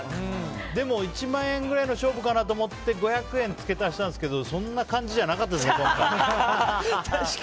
でも、１万円ぐらいの勝負かなと思って５００円付け足したんですけどそんな感じじゃなかったですね